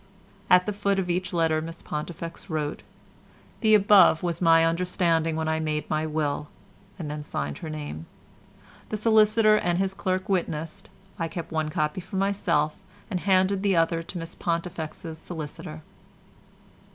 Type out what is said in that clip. At the foot of each letter Miss Pontifex wrote, "The above was my understanding when I made my will," and then signed her name. The solicitor and his clerk witnessed; I kept one copy myself and handed the other to Miss Pontifex's solicitor.